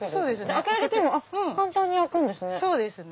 開ける時も簡単に開くんですね。